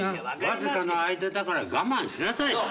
わずかな間だから我慢しなさい。